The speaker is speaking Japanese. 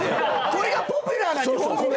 これがポピュラーな日本人。